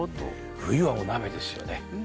冬はお鍋ですよね。